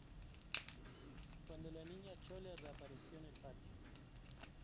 cuando la Niña Chole reapareció en el patio.